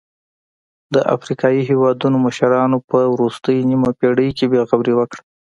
د افریقايي هېوادونو مشرانو په وروستۍ نیمه پېړۍ کې بې غوري وکړه.